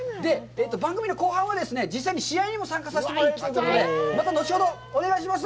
番組の後半は、実際に試合にも参加させてもらえるということで、また後ほどお願いします。